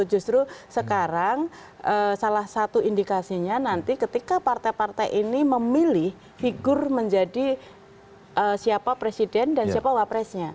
justru sekarang salah satu indikasinya nanti ketika partai partai ini memilih figur menjadi siapa presiden dan siapa wapresnya